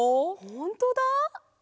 ほんとだ！